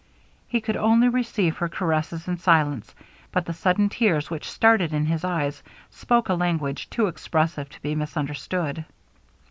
He could only receive her caresses in silence; but the sudden tears which started in his eyes spoke a language too expressive to be misunderstood.